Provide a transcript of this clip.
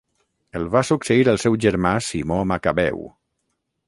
El va succeir el seu germà Simó Macabeu.